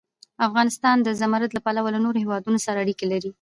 افغانستان د زمرد له پلوه له نورو هېوادونو سره اړیکې لري.